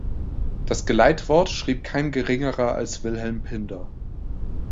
Das Geleitwort schrieb kein Geringerer als Wilhelm Pinder.